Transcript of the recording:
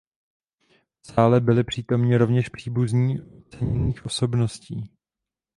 V sále byli přítomni rovněž příbuzní oceněných osobností.